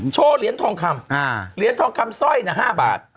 โชว์เหรียญทองคำเหรียญทองคำสร้อย๕บาท